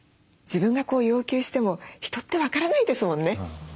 自分が要求しても人って分からないですもんね。